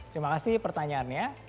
terima kasih pertanyaannya